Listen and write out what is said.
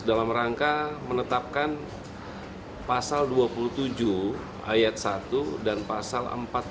dalam rangka menetapkan pasal dua puluh tujuh ayat satu dan pasal empat puluh lima